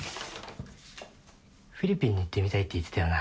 フィリピンに行ってみたいって言ってたよな。